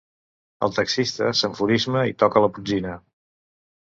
El taxista s'enfurisma i toca la botzina.